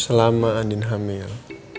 selama andin hamil